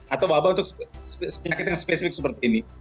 atau wabah untuk penyakit yang spesifik seperti ini